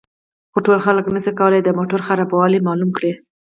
خو ټول خلک نشي کولای د موټر خرابوالی معلوم کړي